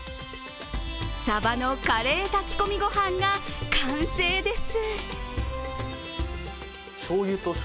さばのカレー炊き込みご飯が完成です。